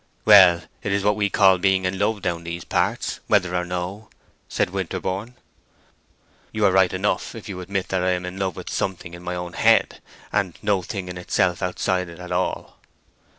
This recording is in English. "Well, it is what we call being in love down in these parts, whether or no," said Winterborne. "You are right enough if you admit that I am in love with something in my own head, and no thing in itself outside it at all."